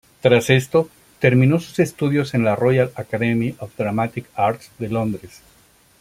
Tras esto, terminó sus estudios en la Royal Academy of Dramatic Arts de Londres.